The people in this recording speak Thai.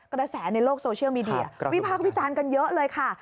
กระแสในโลกโซเชียลมีเดียวิพากษ์วิจารณ์กันเยอะเลยค่ะ